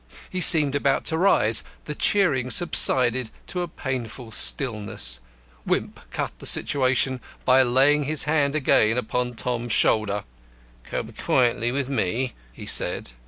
He seemed about to rise. The cheering subsided to a painful stillness. Wimp cut the situation by laying his hand again upon Tom's shoulder. "Come quietly with me," he said.